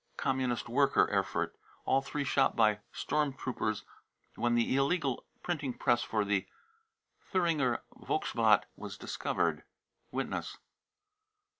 communist worker, Erfurt. All three shot by storm trooped when the illegal printing press used for the Thuringer Volksbktl was discovered. (Witness?)